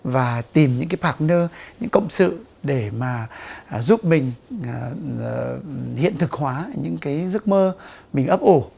và tìm những cái parkner những cộng sự để mà giúp mình hiện thực hóa những cái giấc mơ mình ấp ổ